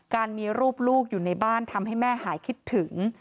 การมีรูปลูกอยู่ในบ้านทำให้แม่หายคิดถึง